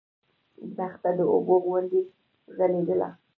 دښته د اوبو غوندې ځلېدله.